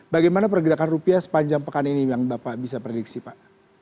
bagaimana pergerakan rupiah sepanjang pekan ini yang bapak bisa prediksi pak